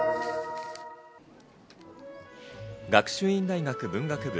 学習院大学文学部